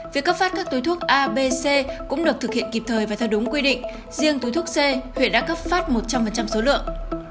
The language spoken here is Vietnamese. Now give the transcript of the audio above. việc cấp phát các túi thuốc abc cũng được thực hiện kịp thời và theo đúng quy định riêng túi thuốc c huyện đã cấp phát một trăm linh số lượng